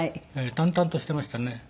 淡々としていましたね。